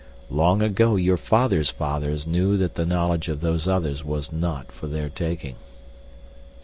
"Long ago your fathers' fathers knew that the knowledge of Those Others was not for their taking."